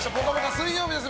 水曜日です。